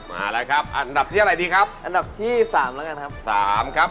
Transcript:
เอาไว้อันท้ายที่๕นะครับโอเคครับ